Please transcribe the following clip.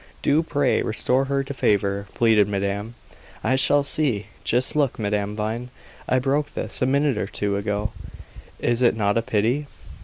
"Do, pray, restore her to favor," pleaded madame. "I shall see. Just look, Madame Vine! I broke this, a minute or two ago. Is it not a pity?"